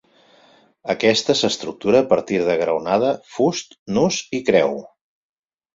Aquesta s'estructura a partir de graonada, fust, nus i creu.